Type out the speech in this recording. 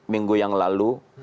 minggu yang lalu